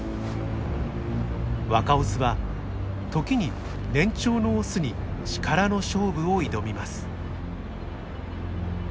若オスは時に年長のオスに力の勝負を挑みます。